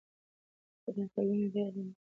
ابن خلدون د دې علم مخکښ و.